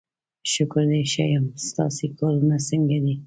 شکر دی ښه یم، ستاسې کارونه څنګه دي؟